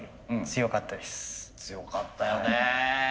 強かったよね。